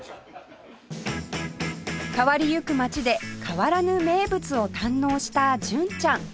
変わりゆく街で変わらぬ名物を堪能した純ちゃん